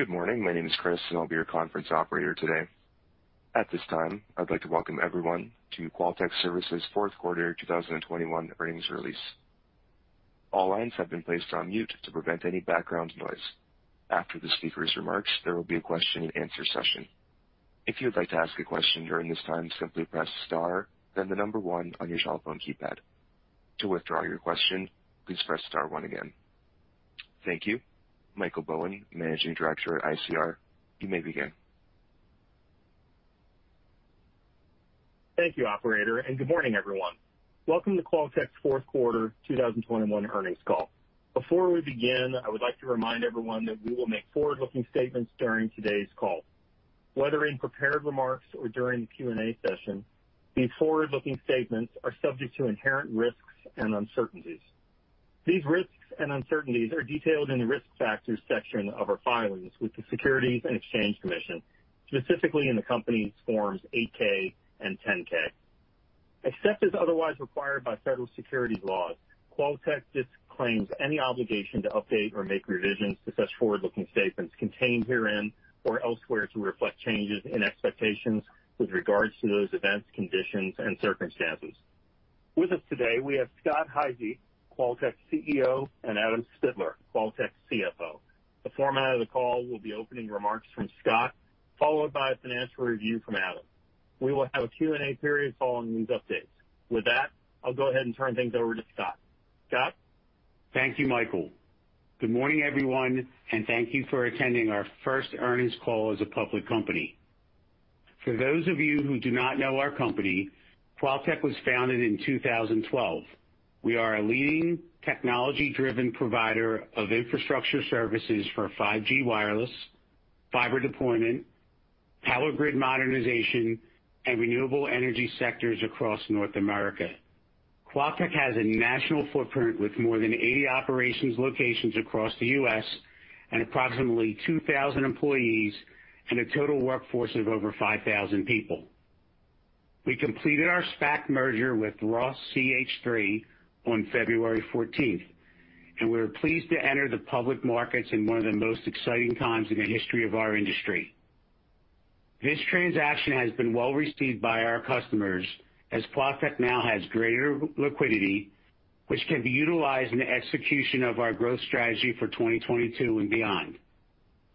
Good morning. My name is Chris, and I'll be your conference operator today. At this time, I'd like to welcome everyone to QualTek Services fourth quarter 2021 earnings release. All lines have been placed on mute to prevent any background noise. After the speaker's remarks, there will be a question-and-answer session. If you would like to ask a question during this time, simply press star, then the number one on your cellphone keypad. To withdraw your question, please press star one again. Thank you. Michael Bowen, Managing Director at ICR, you may begin. Thank you, operator, and good morning, everyone. Welcome to QualTek's fourth quarter 2021 earnings call. Before we begin, I would like to remind everyone that we will make forward-looking statements during today's call, whether in prepared remarks or during the Q&A session. These forward-looking statements are subject to inherent risks and uncertainties. These risks and uncertainties are detailed in the Risk Factors section of our filings with the Securities and Exchange Commission, specifically in the company's Form 8-K and Form 10-K. Except as otherwise required by federal securities laws, QualTek disclaims any obligation to update or make revisions to such forward-looking statements contained herein or elsewhere to reflect changes in expectations with regards to those events, conditions, and circumstances. With us today, we have Scott Hisey, QualTek's CEO, and Adam Spittler, QualTek's CFO. The format of the call will be opening remarks from Scott, followed by a financial review from Adam. We will have a Q&A period following these updates. With that, I'll go ahead and turn things over to Scott. Scott? Thank you, Michael. Good morning, everyone, and thank you for attending our first earnings call as a public company. For those of you who do not know our company, QualTek was founded in 2012. We are a leading technology-driven provider of infrastructure services for 5G wireless, fiber deployment, power grid modernization, and renewable energy sectors across North America. QualTek has a national footprint with more than 80 operations locations across the U.S., and approximately 2,000 employees, and a total workforce of over 5000 people. We completed our SPAC merger with Roth CH III on February 14th, and we're pleased to enter the public markets in one of the most exciting times in the history of our industry. This transaction has been well-received by our customers as QualTek now has greater liquidity, which can be utilized in the execution of our growth strategy for 2022 and beyond.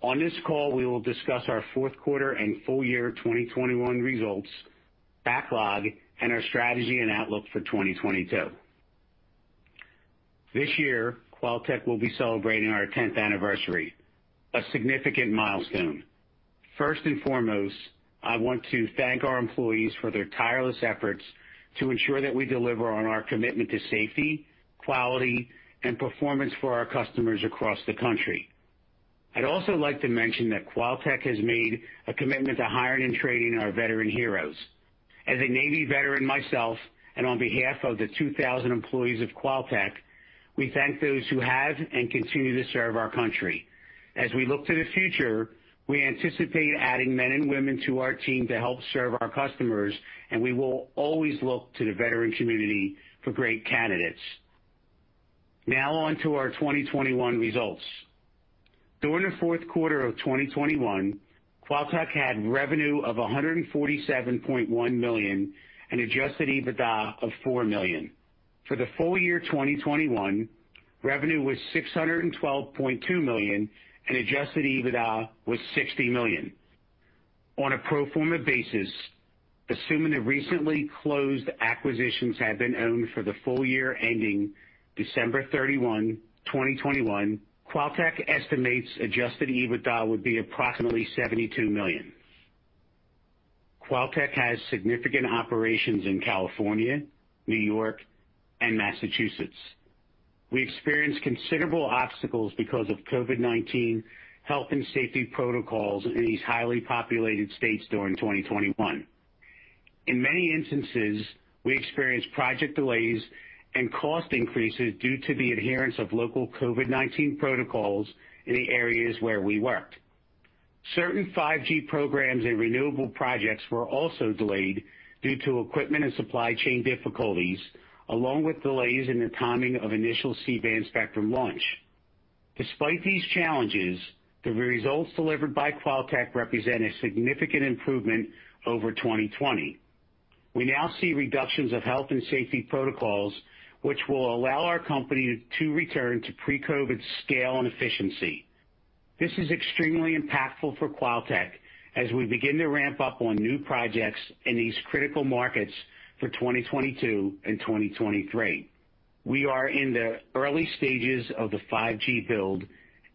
On this call, we will discuss our fourth quarter and full year 2021 results, backlog, and our strategy and outlook for 2022. This year, QualTek will be celebrating our 10th anniversary, a significant milestone. First and foremost, I want to thank our employees for their tireless efforts to ensure that we deliver on our commitment to safety, quality, and performance for our customers across the country. I'd also like to mention that QualTek has made a commitment to hiring and training our veteran heroes. As a Navy veteran myself, and on behalf of the 2,000 employees of QualTek, we thank those who have and continue to serve our country. As we look to the future, we anticipate adding men and women to our team to help serve our customers, and we will always look to the veteran community for great candidates. Now on to our 2021 results. During the fourth quarter of 2021, QualTek had revenue of $147.1 million and adjusted EBITDA of $4 million. For the full year 2021, revenue was $612.2 million, and adjusted EBITDA was $60 million. On a pro forma basis, assuming the recently closed acquisitions had been owned for the full year ending December 31, 2021, QualTek estimates adjusted EBITDA would be approximately $72 million. QualTek has significant operations in California, New York, and Massachusetts. We experienced considerable obstacles because of COVID-19 health and safety protocols in these highly populated states during 2021. In many instances, we experienced project delays and cost increases due to the adherence of local COVID-19 protocols in the areas where we worked. Certain 5G programs and renewable projects were also delayed due to equipment and supply chain difficulties, along with delays in the timing of initial C-band spectrum launch. Despite these challenges, the results delivered by QualTek represent a significant improvement over 2020. We now see reductions of health and safety protocols, which will allow our company to return to pre-COVID scale and efficiency. This is extremely impactful for QualTek as we begin to ramp up on new projects in these critical markets for 2022 and 2023. We are in the early stages of the 5G build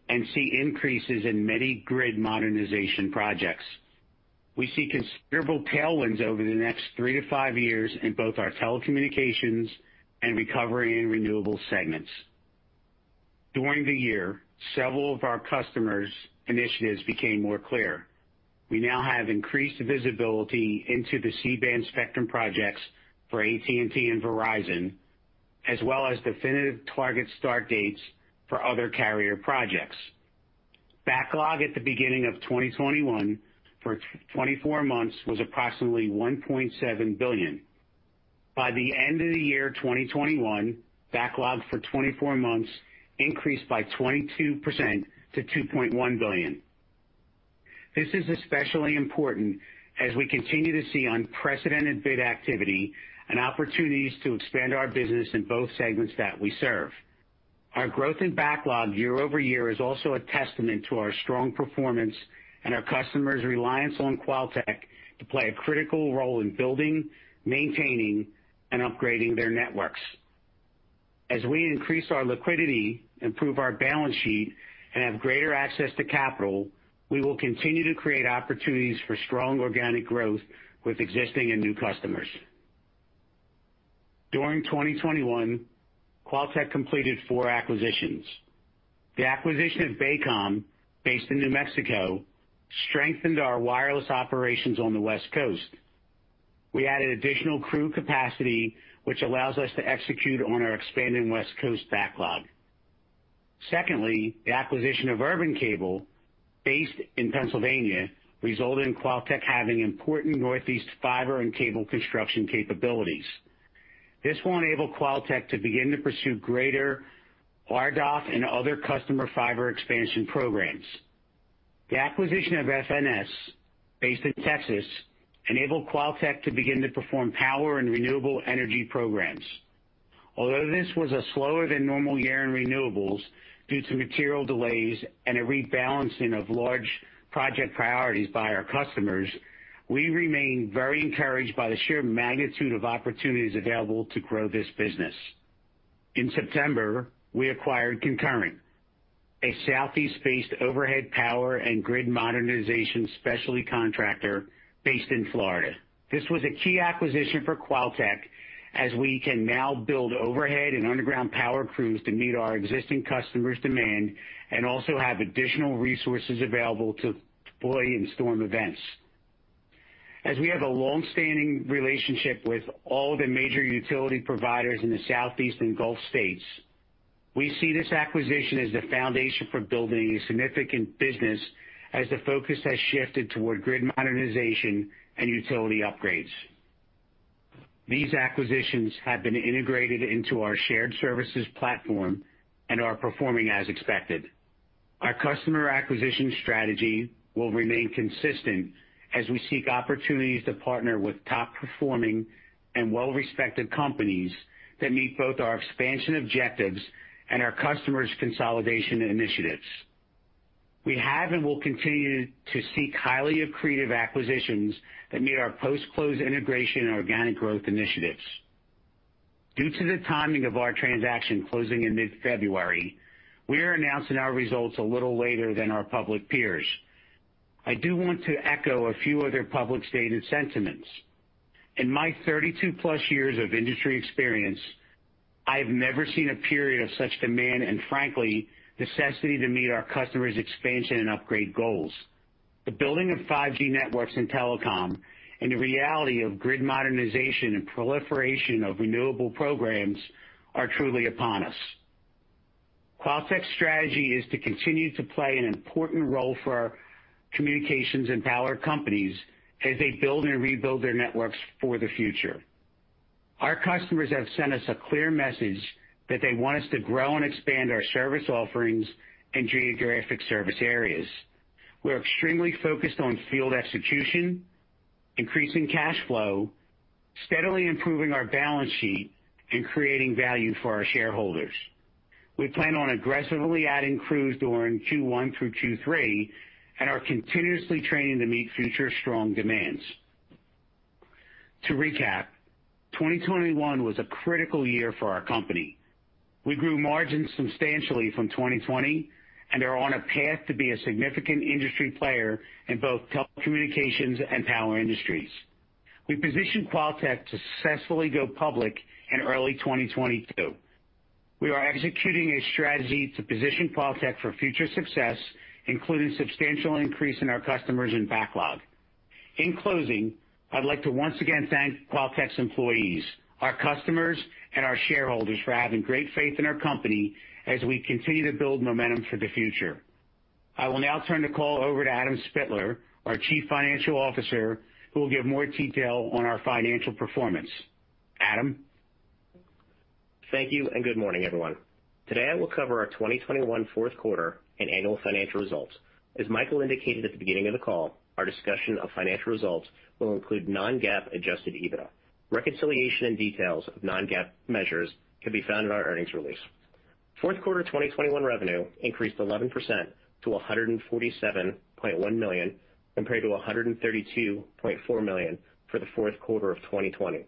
and see increases in many grid modernization projects. We see considerable tailwinds over the next three-five years in both our Telecommunications and Recovery & Renewable segments. During the year, several of our customers' initiatives became more clear. We now have increased visibility into the C-band spectrum projects for AT&T and Verizon, as well as definitive target start dates for other carrier projects. Backlog at the beginning of 2021 for 24 months was approximately $1.7 billion. By the end of the year 2021, backlog for 24 months increased by 22% to $2.1 billion. This is especially important as we continue to see unprecedented bid activity and opportunities to expand our business in both segments that we serve. Our growth in backlog year-over-year is also a testament to our strong performance and our customers' reliance on QualTek to play a critical role in building, maintaining, and upgrading their networks. As we increase our liquidity, improve our balance sheet, and have greater access to capital, we will continue to create opportunities for strong organic growth with existing and new customers. During 2021, QualTek completed four acquisitions. The acquisition of BACOM, based in New Mexico, strengthened our wireless operations on the West Coast. We added additional crew capacity, which allows us to execute on our expanding West Coast backlog. Secondly, the acquisition of Urban Cable, based in Pennsylvania, resulted in QualTek having important Northeast fiber and cable construction capabilities. This will enable QualTek to begin to pursue greater RDOF and other customer fiber expansion programs. The acquisition of FNS, based in Texas, enabled QualTek to begin to perform power and renewable energy programs. Although this was a slower than normal year in renewables due to material delays and a rebalancing of large project priorities by our customers, we remain very encouraged by the sheer magnitude of opportunities available to grow this business. In September, we acquired Concurrent, a Southeast-based overhead power and grid modernization specialty contractor based in Florida. This was a key acquisition for QualTek, as we can now build overhead and underground power crews to meet our existing customers' demand and also have additional resources available to deploy in storm events. As we have a long-standing relationship with all the major utility providers in the Southeast and Gulf states, we see this acquisition as the foundation for building a significant business as the focus has shifted toward grid modernization and utility upgrades. These acquisitions have been integrated into our shared services platform and are performing as expected. Our customer acquisition strategy will remain consistent as we seek opportunities to partner with top-performing and well-respected companies that meet both our expansion objectives and our customers' consolidation initiatives. We have and will continue to seek highly accretive acquisitions that meet our post-close integration and organic growth initiatives. Due to the timing of our transaction closing in mid-February, we are announcing our results a little later than our public peers. I do want to echo a few of their public stated sentiments. In my 32+ years of industry experience, I have never seen a period of such demand and, frankly, necessity to meet our customers' expansion and upgrade goals. The building of 5G networks in telecom and the reality of grid modernization and proliferation of renewable programs are truly upon us. QualTek's strategy is to continue to play an important role for our communications and power companies as they build and rebuild their networks for the future. Our customers have sent us a clear message that they want us to grow and expand our service offerings and geographic service areas. We're extremely focused on field execution, increasing cash flow, steadily improving our balance sheet, and creating value for our shareholders. We plan on aggressively adding crews during Q1 through Q3 and are continuously training to meet future strong demands. To recap, 2021 was a critical year for our company. We grew margins substantially from 2020 and are on a path to be a significant industry player in both telecommunications and power industries. We positioned QualTek to successfully go public in early 2022. We are executing a strategy to position QualTek for future success, including substantial increase in our customers and backlog. In closing, I'd like to once again thank QualTek's employees, our customers, and our shareholders for having great faith in our company as we continue to build momentum for the future. I will now turn the call over to Adam Spittler, our Chief Financial Officer, who will give more detail on our financial performance. Adam? Thank you, and good morning, everyone. Today, I will cover our 2021 fourth quarter and annual financial results. As Michael indicated at the beginning of the call, our discussion of financial results will include non-GAAP adjusted EBITDA. Reconciliation and details of non-GAAP measures can be found in our earnings release. Fourth quarter 2021 revenue increased 11% to $147.1 million, compared to $132.4 million for the fourth quarter of 2020.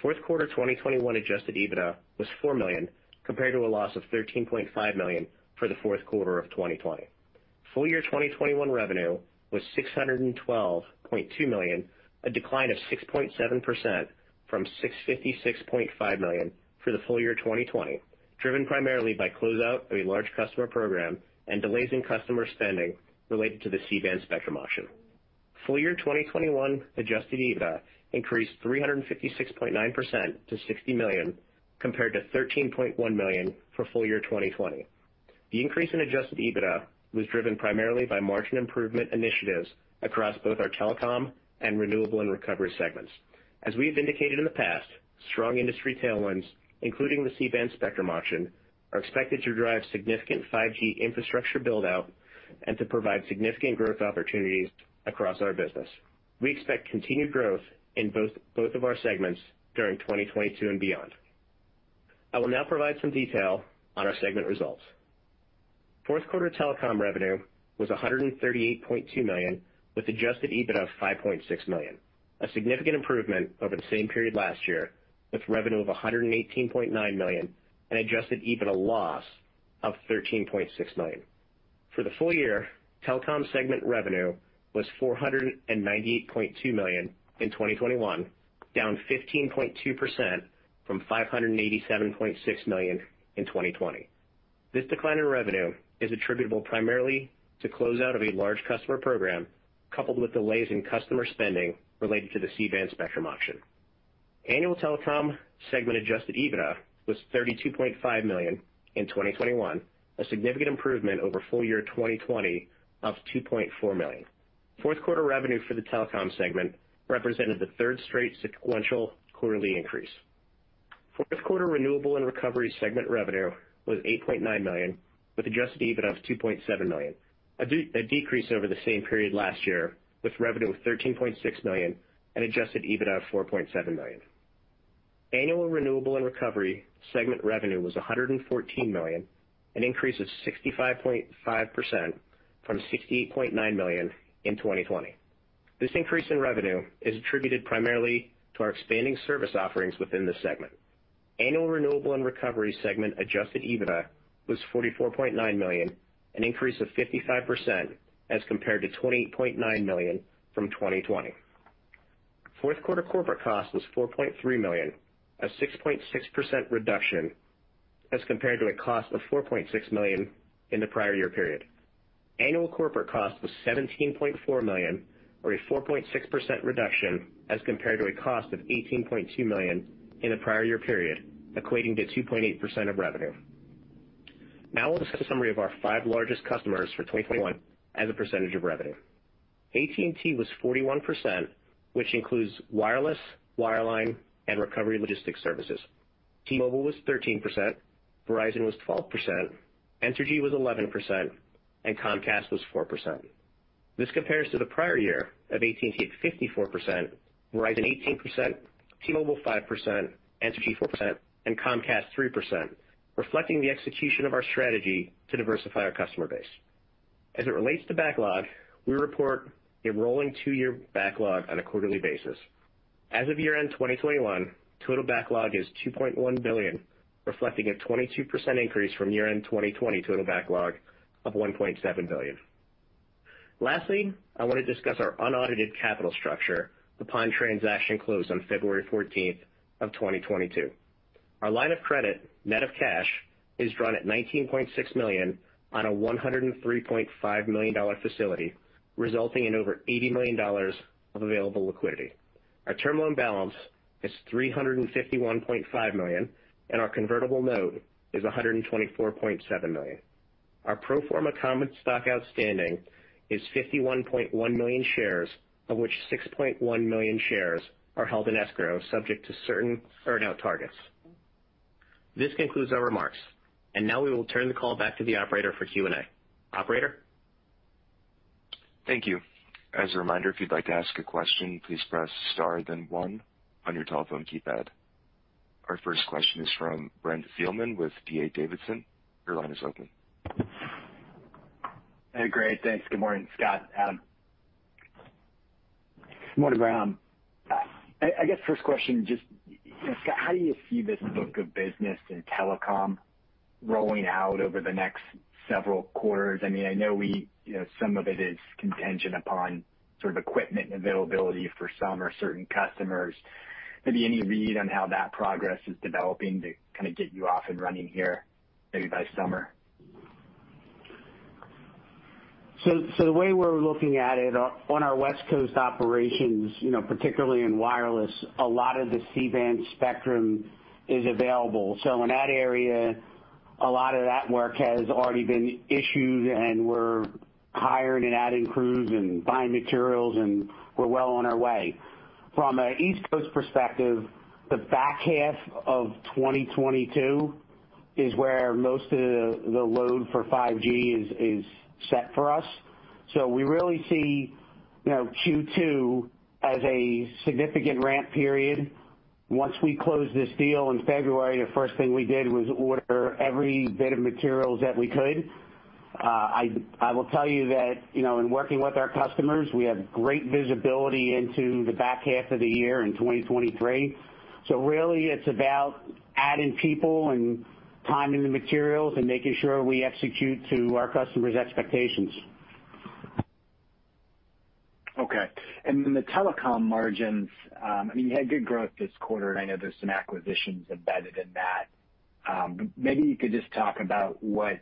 Fourth quarter 2021 adjusted EBITDA was $4 million, compared to a loss of $13.5 million for the fourth quarter of 2020. Full year 2021 revenue was $612.2 million, a decline of 6.7% from $656.5 million for the full year 2020, driven primarily by closeout of a large customer program and delays in customer spending related to the C-band spectrum auction. Full year 2021 adjusted EBITDA increased 356.9% to $60 million, compared to $13.1 million for full year 2020. The increase in adjusted EBITDA was driven primarily by margin improvement initiatives across both our Telecom and Renewable & Recovery segments. As we have indicated in the past, strong industry tailwinds, including the C-band spectrum auction, are expected to drive significant 5G infrastructure build-out and to provide significant growth opportunities across our business. We expect continued growth in both of our segments during 2022 and beyond. I will now provide some detail on our segment results. Fourth quarter Telecom revenue was $138.2 million, with adjusted EBITDA of $5.6 million, a significant improvement over the same period last year, with revenue of $118.9 million and adjusted EBITDA loss of $13.6 million. For the full year, Telecom segment revenue was $498.2 million in 2021, down 15.2% from $587.6 million in 2020. This decline in revenue is attributable primarily to close out of a large customer program, coupled with delays in customer spending related to the C-band spectrum auction. Annual Telecom segment adjusted EBITDA was $32.5 million in 2021, a significant improvement over full year 2020 of $2.4 million. Fourth quarter revenue for the Telecom segment represented the third straight sequential quarterly increase. Fourth quarter Renewable & Recovery segment revenue was $8.9 million, with adjusted EBITDA of $2.7 million, a decrease over the same period last year, with revenue of $13.6 million and adjusted EBITDA of $4.7 million. Annual Renewable & Recovery segment revenue was $114 million, an increase of 65.5% from $68.9 million in 2020. This increase in revenue is attributed primarily to our expanding service offerings within the segment. Annual Renewable & Recovery segment adjusted EBITDA was $44.9 million, an increase of 55% as compared to $28.9 million from 2020. Fourth quarter corporate cost was $4.3 million, a 6.6% reduction as compared to a cost of $4.6 million in the prior year period. Annual corporate cost was $17.4 million or a 4.6% reduction as compared to a cost of $18.2 million in the prior year period, equating to 2.8% of revenue. Now we'll discuss a summary of our five largest customers for 2021 as a percentage of revenue. AT&T was 41%, which includes wireless, wireline, and recovery logistics services. T-Mobile was 13%, Verizon was 12%, Entergy was 11%, and Comcast was 4%. This compares to the prior year of AT&T at 54%, Verizon 18%, T-Mobile 5%, Entergy 4%, and Comcast 3%, reflecting the execution of our strategy to diversify our customer base. As it relates to backlog, we report a rolling two-year backlog on a quarterly basis. As of year-end 2021, total backlog is $2.1 billion, reflecting a 22% increase from year-end 2020 total backlog of $1.7 billion. Lastly, I wanna discuss our unaudited capital structure upon transaction close on February 14th, 2022. Our line of credit, net of cash, is drawn at $19.6 million on a $103.5 million facility, resulting in over $80 million of available liquidity. Our term loan balance is $351.5 million, and our convertible note is $124.7 million. Our pro forma common stock outstanding is 51.1 million shares, of which 6.1 million shares are held in escrow, subject to certain earnout targets. This concludes our remarks, and now we will turn the call back to the operator for Q&A. Operator? Thank you. As a reminder, if you'd like to ask a question, please press star then one on your telephone keypad. Our first question is from Brent Thielman with D.A. Davidson. Your line is open. Hey, great. Thanks. Good morning, Scott. Good morning, Brent. I guess first question just, you know, Scott, how do you see this book of business in telecom rolling out over the next several quarters? I mean, I know we, you know, some of it is contingent upon sort of equipment availability for some or certain customers. Maybe any read on how that progress is developing to kinda get you off and running here maybe by summer? The way we're looking at it, on our West Coast operations, you know, particularly in wireless, a lot of the C-band spectrum is available. In that area, a lot of that work has already been issued, and we're hiring and adding crews and buying materials, and we're well on our way. From an East Coast perspective, the back half of 2022 is where most of the load for 5G is set for us. We really see, you know, Q2 as a significant ramp period. Once we closed this deal in February, the first thing we did was order every bit of materials that we could. I will tell you that, you know, in working with our customers, we have great visibility into the back half of the year in 2023. Really, it's about adding people and timing the materials and making sure we execute to our customers' expectations. Okay. The Telecom margins, I mean, you had good growth this quarter, and I know there's some acquisitions embedded in that. Maybe you could just talk about what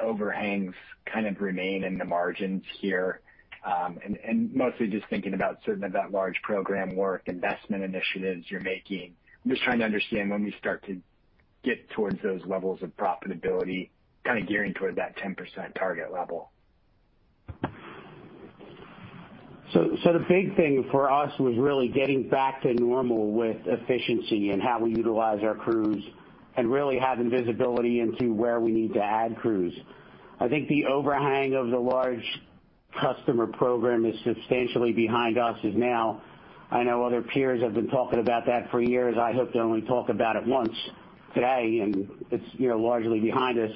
overhangs kind of remain in the margins here. And mostly just thinking about certain of that large program work, investment initiatives you're making. I'm just trying to understand when we start to get towards those levels of profitability, kinda gearing toward that 10% target level. The big thing for us was really getting back to normal with efficiency and how we utilize our crews and really having visibility into where we need to add crews. I think the overhang of the large customer program is substantially behind us now. I know other peers have been talking about that for years. I hope to only talk about it once today, and it's, you know, largely behind us.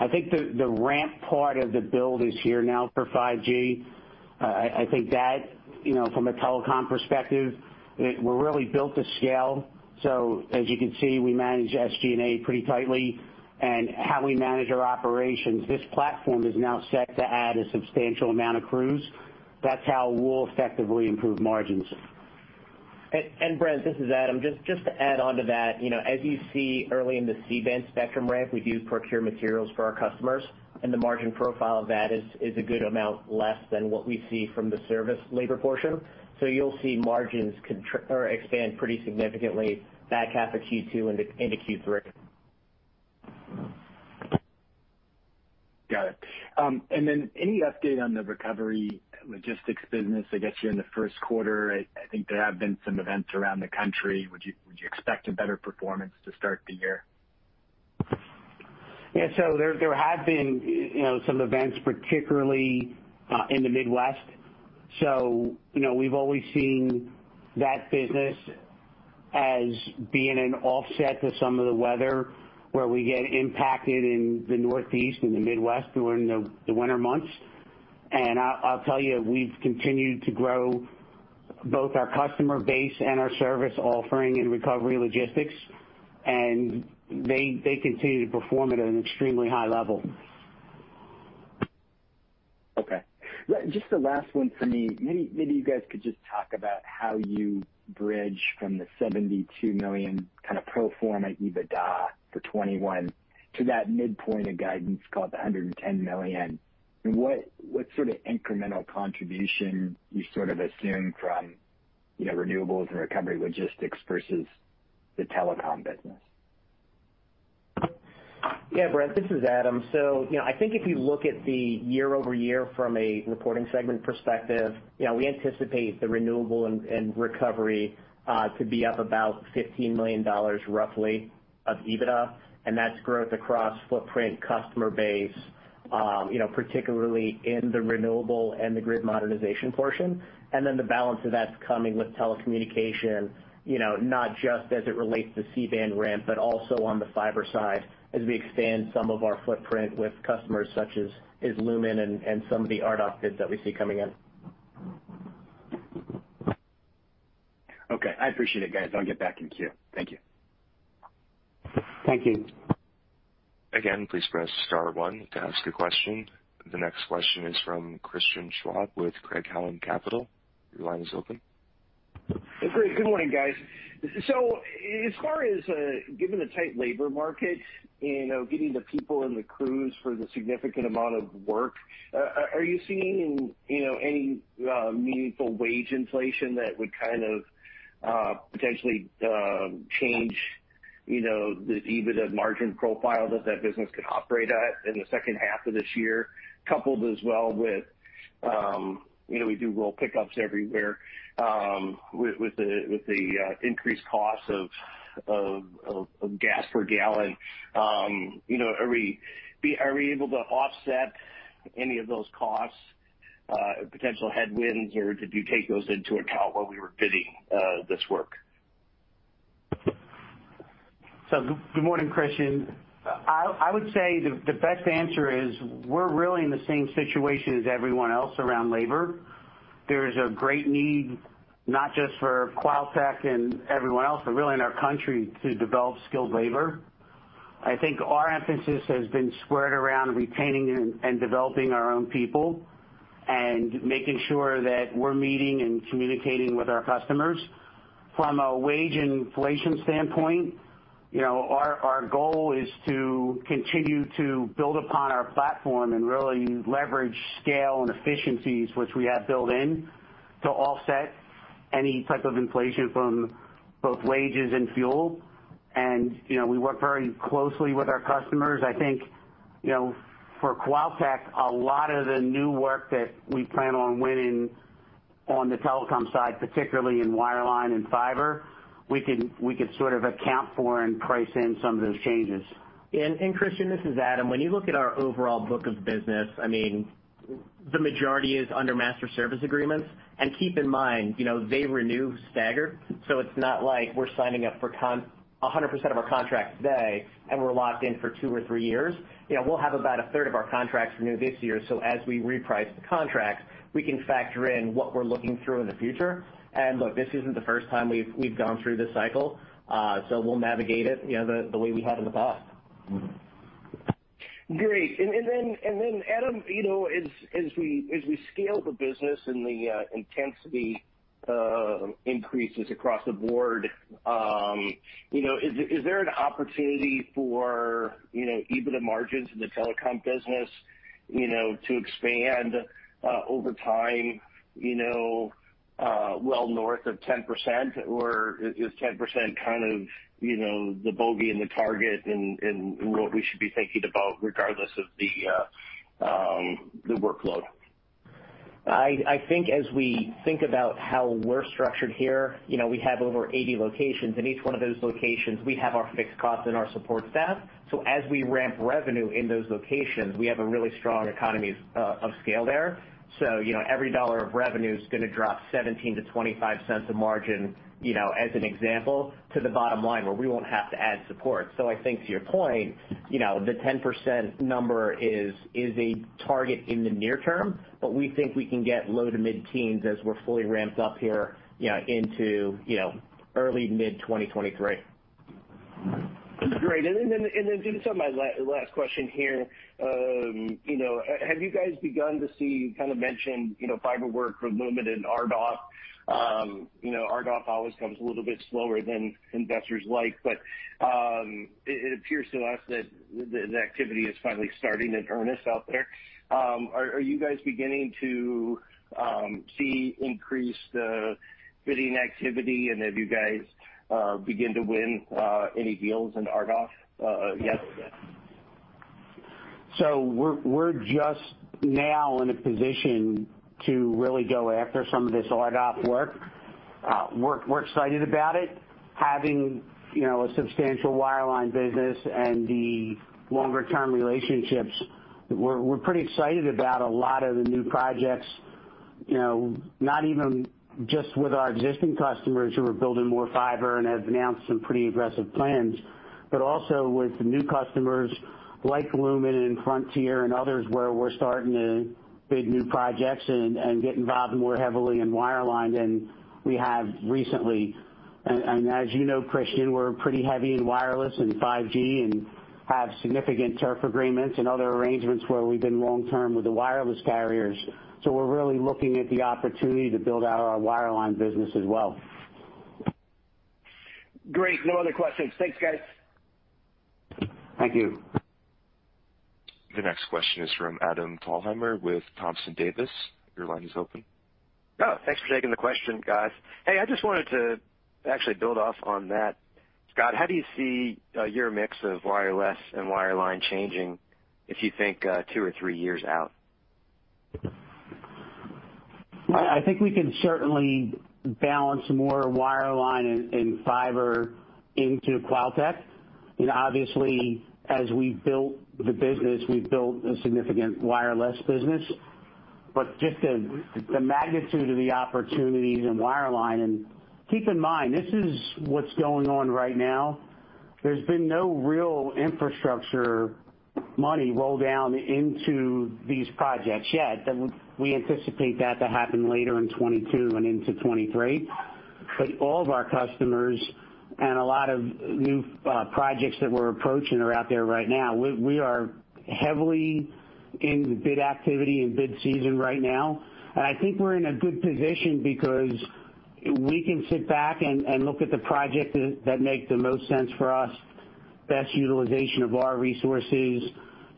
I think the ramp part of the build is here now for 5G. I think that, you know, from a telecom perspective, it, we're really built to scale. As you can see, we manage SG&A pretty tightly and how we manage our operations. This platform is now set to add a substantial amount of crews. That's how we'll effectively improve margins. Brent, this is Adam. Just to add onto that, you know, as you see early in the C-band spectrum ramp, we do procure materials for our customers, and the margin profile of that is a good amount less than what we see from the service labor portion. You'll see margins or expand pretty significantly back half of Q2 into Q3. Got it. Any update on the recovery logistics business, I guess, here in the first quarter? I think there have been some events around the country. Would you expect a better performance to start the year? There have been, you know, some events particularly in the Midwest. You know, we've always seen that business as being an offset to some of the weather where we get impacted in the Northeast and the Midwest during the winter months. I'll tell you, we've continued to grow both our customer base and our service offering in recovery logistics, and they continue to perform at an extremely high level. Okay. Just a last one for me. Maybe you guys could just talk about how you bridge from the $72 million kind of pro forma EBITDA for 2021 to that midpoint of guidance call it the $110 million. What sort of incremental contribution you sort of assume from, you know, Renewables & Recovery logistics versus the Telecom business? Yeah, Brent, this is Adam. You know, I think if you look at the year-over-year from a reporting segment perspective, you know, we anticipate the Renewable & Recovery to be up about $15 million roughly of EBITDA. That's growth across footprint customer base, you know, particularly in the renewable and the grid modernization portion. The balance of that's coming with telecommunication, you know, not just as it relates to C-band ramp, but also on the fiber side as we expand some of our footprint with customers such as Lumen and some of the RDOF bids that we see coming in. Okay. I appreciate it, guys. I'll get back in queue. Thank you. Thank you. Again, please press star one to ask a question. The next question is from Christian Schwab with Craig-Hallum Capital. Your line is open. Great. Good morning, guys. As far as, given the tight labor market, you know, getting the people and the crews for the significant amount of work, are you seeing, you know, any meaningful wage inflation that would kind of potentially change, you know, the EBITDA margin profile that business could operate at in the second half of this year? Coupled as well with, you know, we do roll pickups everywhere, with the increased cost of gas per gallon. You know, are we able to offset any of those costs, potential headwinds, or did you take those into account while we were bidding this work? Good morning, Christian. I would say the best answer is we're really in the same situation as everyone else around labor. There's a great need, not just for QualTek and everyone else, but really in our country to develop skilled labor. I think our emphasis has been squared around retaining and developing our own people and making sure that we're meeting and communicating with our customers. From a wage inflation standpoint, you know, our goal is to continue to build upon our platform and really leverage scale and efficiencies which we have built in to offset any type of inflation from both wages and fuel. You know, we work very closely with our customers. I think, you know, for QualTek, a lot of the new work that we plan on winning on the Telecom side, particularly in wireline and fiber, we can sort of account for and price in some of those changes. Christian, this is Adam. When you look at our overall book of business, I mean, the majority is under Master Service Agreements. Keep in mind, you know, they renew staggered, so it's not like we're signing up for 100% of our contracts today and we're locked in for two or three years. You know, we'll have about a third of our contracts renew this year. As we reprice the contract, we can factor in what we're looking through in the future. Look, this isn't the first time we've gone through this cycle, so we'll navigate it, you know, the way we have in the past. Great. Then Adam, you know, as we scale the business and the intensity increases across the board, you know, is there an opportunity for, you know, EBITDA margins in the telecom business, you know, to expand over time, you know, well north of 10%, or is 10% kind of, you know, the bogey and the target in what we should be thinking about regardless of the workload? I think as we think about how we're structured here, you know, we have over 80 locations. In each one of those locations, we have our fixed costs and our support staff. As we ramp revenue in those locations, we have a really strong economies of scale there. You know, every dollar of revenue is gonna drop 17-25 cents of margin, you know, as an example, to the bottom line where we won't have to add support. I think to your point, you know, the 10% number is a target in the near term, but we think we can get low- to mid-teens% as we're fully ramped up here, you know, into early- to mid-2023. Great. Just on my last question here. You know, have you guys begun to see, you kind of mentioned, you know, fiber work from Lumen and RDOF. You know, RDOF always comes a little bit slower than investors like. It appears to us that the activity is finally starting in earnest out there. Are you guys beginning to see increased bidding activity and have you guys begin to win any deals in RDOF yet? We're just now in a position to really go after some of this RDOF work. We're excited about it. Having, you know, a substantial wireline business and the longer-term relationships, we're pretty excited about a lot of the new projects, you know, not even just with our existing customers who are building more fiber and have announced some pretty aggressive plans, but also with new customers like Lumen and Frontier and others where we're starting to bid new projects and get involved more heavily in wireline than we have recently. And as you know, Christian, we're pretty heavy in wireless and 5G and have significant turf agreements and other arrangements where we've been long term with the wireless carriers. We're really looking at the opportunity to build out our wireline business as well. Great. No other questions. Thanks, guys. Thank you. The next question is from Adam Thalhimer with Thompson Davis. Your line is open. Oh, thanks for taking the question, guys. Hey, I just wanted to actually build off on that. Scott, how do you see your mix of wireless and wireline changing if you think two or three years out? I think we can certainly balance more wireline and fiber into QualTek. You know, obviously as we've built the business, we've built a significant wireless business. Just the magnitude of the opportunities in wireline, and keep in mind, this is what's going on right now. There's been no real infrastructure money rolled down into these projects yet. We anticipate that to happen later in 2022 and into 2023. All of our customers and a lot of new projects that we're approaching are out there right now. We are heavily in bid activity and bid season right now. I think we're in a good position because we can sit back and look at the projects that make the most sense for us, best utilization of our resources,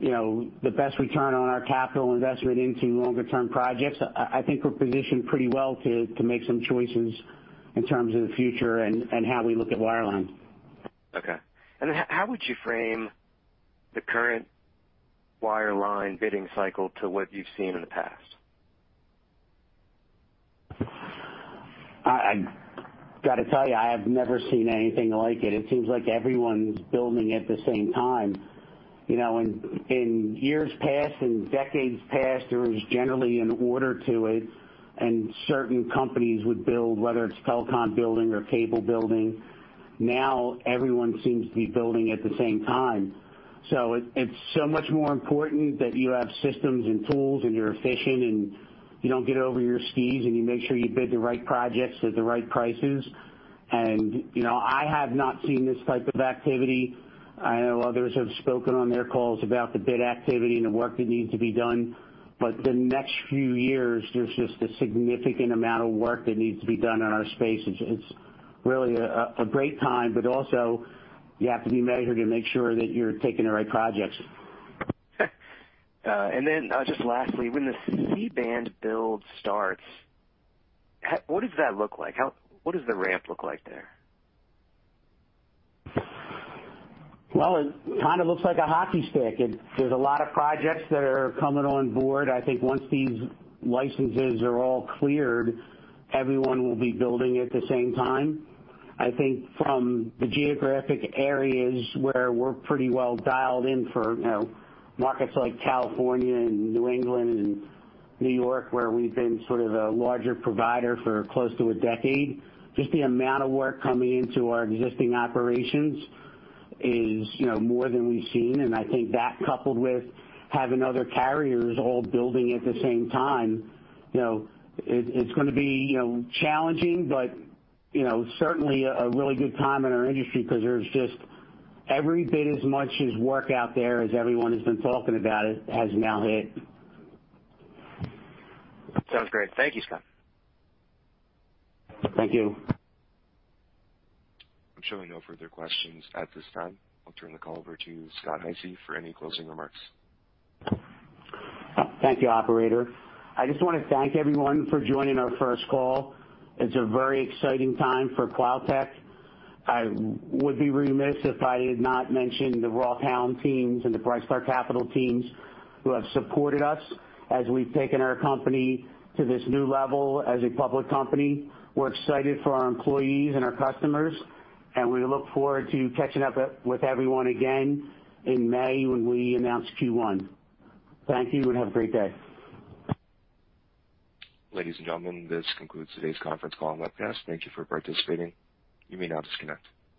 you know, the best return on our capital investment into longer-term projects. I think we're positioned pretty well to make some choices in terms of the future and how we look at wireline. Okay. How would you frame the current wireline bidding cycle to what you've seen in the past? I gotta tell you, I have never seen anything like it. It seems like everyone's building at the same time. You know, in years past, in decades past, there was generally an order to it, and certain companies would build, whether it's telecom building or cable building. Now everyone seems to be building at the same time. It's so much more important that you have systems and tools, and you're efficient, and you don't get over your skis, and you make sure you bid the right projects at the right prices. You know, I have not seen this type of activity. I know others have spoken on their calls about the bid activity and the work that needs to be done. The next few years, there's just a significant amount of work that needs to be done in our space. It's really a great time, but also you have to be measured and make sure that you're taking the right projects. Just lastly, when the C-band build starts, what does that look like? What does the ramp look like there? Well, it kinda looks like a hockey stick. There's a lot of projects that are coming on board. I think once these licenses are all cleared, everyone will be building at the same time. I think from the geographic areas where we're pretty well dialed in for, you know, markets like California and New England and New York, where we've been sort of a larger provider for close to a decade, just the amount of work coming into our existing operations is, you know, more than we've seen. I think that coupled with having other carriers all building at the same time, you know, it's gonna be, you know, challenging, but, you know, certainly a really good time in our industry 'cause there's just every bit as much as work out there as everyone has been talking about it has now hit. Sounds great. Thank you, Scott. Thank you. I'm showing no further questions at this time. I'll turn the call over to Scott Hisey for any closing remarks. Thank you, operator. I just wanna thank everyone for joining our first call. It's a very exciting time for QualTek. I would be remiss if I did not mention the Roth teams and the Brightstar Capital teams who have supported us as we've taken our company to this new level as a public company. We're excited for our employees and our customers, and we look forward to catching up with everyone again in May when we announce Q1. Thank you, and have a great day. Ladies and gentlemen, this concludes today's conference call and webcast. Thank you for participating. You may now disconnect.